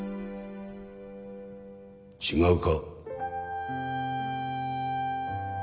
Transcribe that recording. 違うか？